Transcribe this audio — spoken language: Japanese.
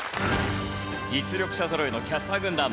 実力者ぞろいのキャスター軍団。